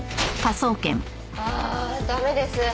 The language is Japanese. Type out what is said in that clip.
ああダメです。